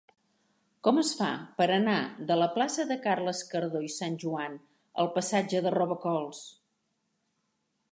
Com es fa per anar de la plaça de Carles Cardó i Sanjoan al passatge de Robacols?